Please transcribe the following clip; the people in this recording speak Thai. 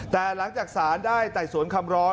แต่หลังจากสารได้ไต่สวนคำร้อง